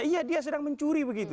iya dia sedang mencuri begitu